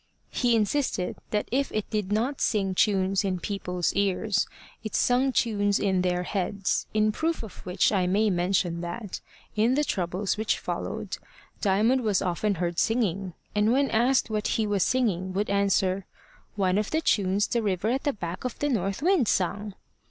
He insisted that if it did not sing tunes in people's ears, it sung tunes in their heads, in proof of which I may mention that, in the troubles which followed, Diamond was often heard singing; and when asked what he was singing, would answer, "One of the tunes the river at the back of the north wind sung."